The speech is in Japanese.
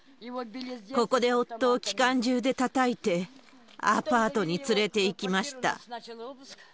ここで夫を機関銃でたたいて、アパートに連れていきました。